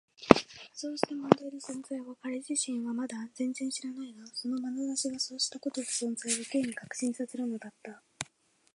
そうした問題の存在を彼自身はまだ全然知らないが、そのまなざしがそうしたことの存在を Ｋ に確信させるのだった。